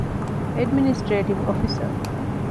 އެޑްމިނިސްޓްރޓިވް އޮފިސަރ